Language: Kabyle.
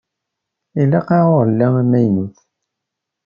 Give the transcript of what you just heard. Ilaq-aɣ uɣella amaynut.